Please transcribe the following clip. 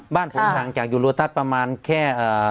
บ้านผมทางจากอยู่รถรถประมาณแค่